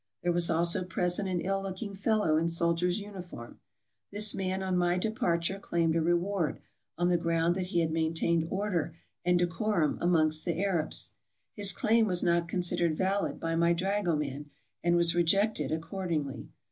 There was also pres ent an ill looking fellow in soldier's uniform. This man on my departure claimed a reward, on the ground that he had maintained order and decorum amongst the Arabs. His claim was not considered valid by my dragoman, and was rejected accordingly.